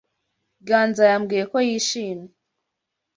Ganza yambwiye ko yishimye.